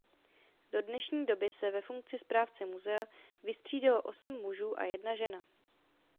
Do dnešní doby se ve funkci správce muzea vystřídalo osm mužů a jedna žena.